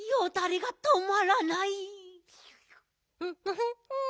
フフフン！